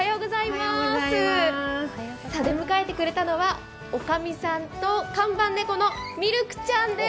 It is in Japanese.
迎えてくれたのはおかみさんと看板猫のミルクちゃんです。